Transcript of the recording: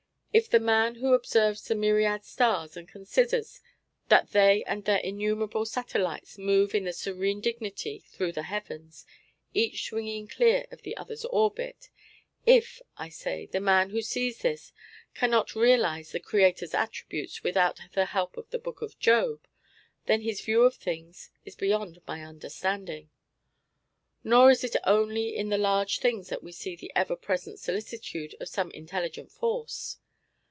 If the man who observes the myriad stars, and considers that they and their innumerable satellites move in their serene dignity through the heavens, each swinging clear of the other's orbit if, I say, the man who sees this cannot realise the Creator's attributes without the help of the book of Job, then his view of things is beyond my understanding. Nor is it only in the large things that we see the ever present solicitude of some intelligent force.